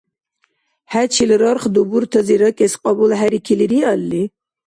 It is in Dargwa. ХӀечил рарх дубуртази ракӀес кьабулхӀерикили риалли?